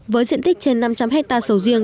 với diện tích trên năm trăm linh hectare sầu riêng